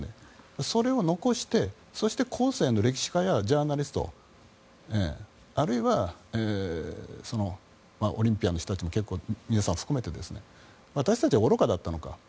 それを残して、そして後世の歴史家やジャーナリストあるいはオリンピアンの人たちも含めて私たちは愚かだったのか。